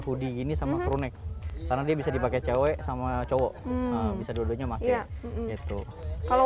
hoodie gini sama krunek karena dia bisa dipakai cewek sama cowok bisa dua duanya pakai itu kalau